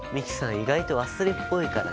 意外と忘れっぽいからな。